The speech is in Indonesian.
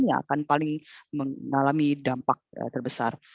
yang akan paling mengalami dampak terbesar